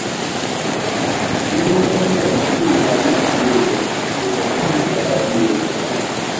Niba udashobora gutunganya umuyoboro, tugomba guhamagara umuyoboro .